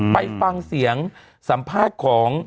ไปฟังเสียงสัมภาษณ์ของ